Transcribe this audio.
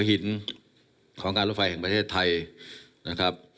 หินของการรถไฟแห่งประเทศไทยนะครับ